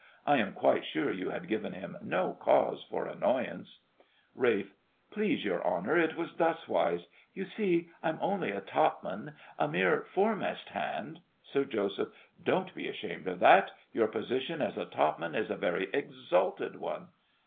I am quite sure you had given him no cause for annoyance. RALPH, Please your honour, it was thus wise. You see I'm only a topman a mere foremast hand— SIR JOSEPH. Don't be ashamed of that. Your position as a topman is a very exalted one.